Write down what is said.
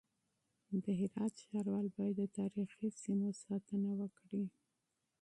د هرات ښاروال بايد د تاريخي سيمو ساتنه وکړي.